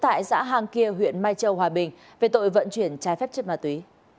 tại xã hàng kia huyện mai châu hòa bình về tội vận chuyển trái phép chất ma túy